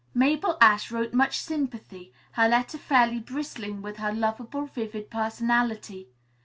Mabel Ashe wrote much sympathy, her letter fairly bristling with her lovable, vivid personality.